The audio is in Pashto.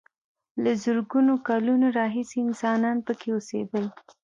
له زرګونو کالونو راهیسې انسانان پکې اوسېدل.